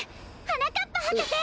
はなかっぱはかせ！